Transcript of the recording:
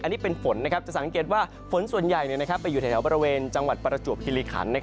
อันนี้เป็นฝนจะสังเกตว่าฝนส่วนใหญ่ไปอยู่แถวบริเวณจังหวัดประจวบคิริขัน